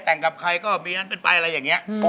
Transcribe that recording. แต่งกับใครก็เป็นไปอะไรอย่างเงี้ย